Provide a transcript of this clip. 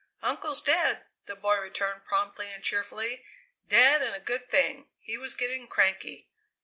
"Uncle's dead," the boy returned promptly and cheerfully; "dead, and a good thing. He was getting cranky."